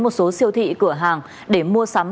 một số siêu thị cửa hàng để mua sắm